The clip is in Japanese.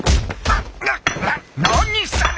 な何する！